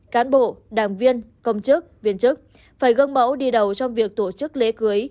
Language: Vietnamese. cán bộ đảng viên công chức viên chức phải gương mẫu đi đầu trong việc tổ chức lễ cưới